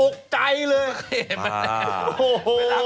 ตกใจเลย